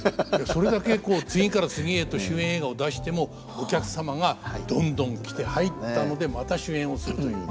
それだけこう次から次へと主演映画を出してもお客様がどんどん来て入ったのでまた主演をするという。